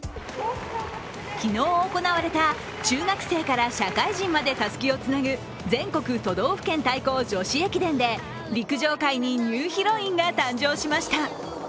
昨日行われた中学生から社会人までたすきをつなぐ全国都道府県対抗女子駅伝で陸上界にニューヒロインが誕生しました。